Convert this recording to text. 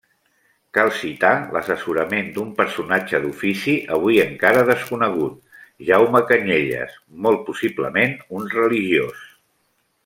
Cal citar l'assessorament d'un personatge d'ofici avui encara desconegut, Jaume Canyelles, molt possiblement un religiós.